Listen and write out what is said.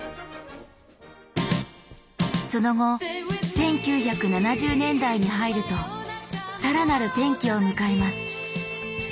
その後１９７０年代に入るとさらなる転機を迎えます。